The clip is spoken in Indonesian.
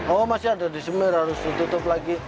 oh masih ada di sini harus ditutup lagi